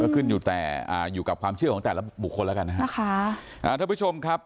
ก็ขึ้นอยู่กับความเชื่อของแต่ละบุคคลแล้วกันนะคะ